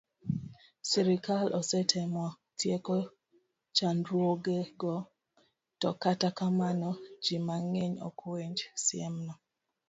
Sirkal osetemo tieko chandruogego, to kata kamano, ji mang'eny ok winj siemno.